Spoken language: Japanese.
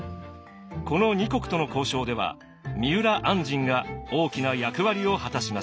この２国との交渉では三浦按針が大きな役割を果たしました。